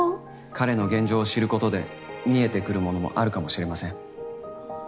彼の現状を知ることで見えてくるものもあるかもしれません。